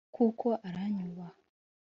kuko aranyubaha